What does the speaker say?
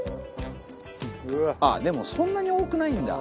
あっでもそんなに多くないんだ。